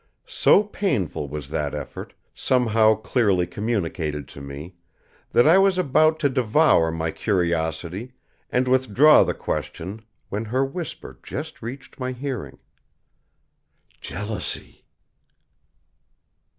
So painful was that effort, somehow clearly communicated to me, that I was about to devour my curiosity and withdraw the question when her whisper just reached my hearing: "Jealousy!"